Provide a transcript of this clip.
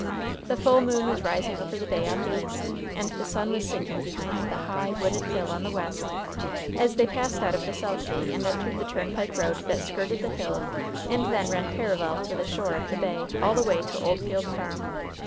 The full moon was rising over the bay on the east, and the sun was sinking behind the high, wooded hill on the west, as they passed out of the south gate and entered the turnpike road that skirted the hill and then ran parallel to the shore of the bay all the way to Oldfield Farm.